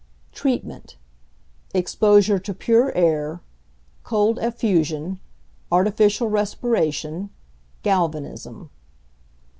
Treatment. Exposure to pure air, cold affusion, artificial respiration, galvanism.